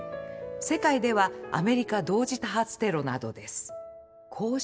世界ではアメリカ同時多発テロなどです。